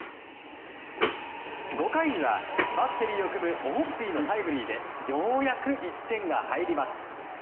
５回には、バッテリーを組むオホッピーのタイムリーでようやく１点が入ります。